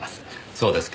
そうですか。